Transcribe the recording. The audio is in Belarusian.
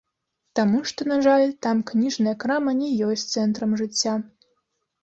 Таму што, на жаль, там кніжная крама не ёсць цэнтрам жыцця.